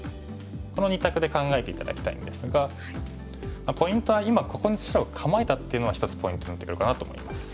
この２択で考えて頂きたいんですがポイントは今ここに白が構えたっていうのが一つポイントになってくるかなと思います。